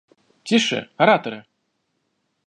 Тише, ораторы!